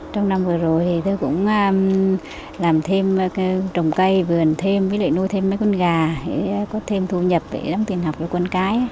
trong năm vừa rồi thì tôi cũng làm thêm trồng cây vườn thêm với lại nuôi thêm mấy con gà để có thêm thu nhập để lắm tiền học cho con cái